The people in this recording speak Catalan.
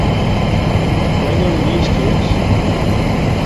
Mai no diries qui és?